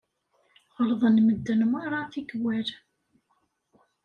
Ɣellḍen medden merra tikwal.